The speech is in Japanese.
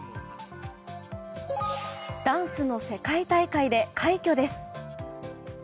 ダンスの世界大会で快挙です。